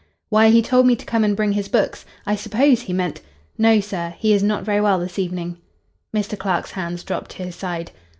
"Why, he told me to come and bring his books! I suppose he meant—!" "No, sir. He is not very well this evening." Mr. Clark's hands dropped to his side.